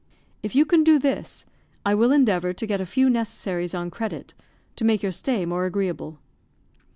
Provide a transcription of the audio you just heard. If you can do this, I will endeavour to get a few necessaries on credit, to make your stay more agreeable."